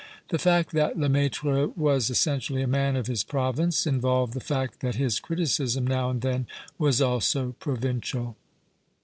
The fact that Lcmaitrc was essentially a man of his province involved the fact that his criticism now and then was also provincial.